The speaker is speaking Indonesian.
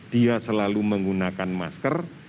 dia selalu menggunakan masker